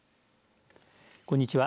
こんにちは。